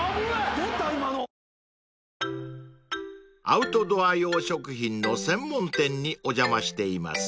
［アウトドア用食品の専門店にお邪魔しています］